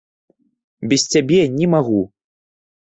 Без цябе не магу!